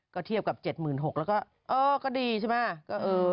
ก็เทียบกับ๗๖๐๐แล้วก็เออก็ดีใช่ไหม